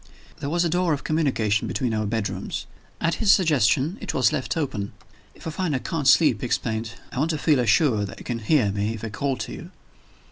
There was a door of communication between our bedrooms. At his suggestion it was left open. "If I find I can't sleep," he explained, "I want to feel assured that you can hear me if I call to you."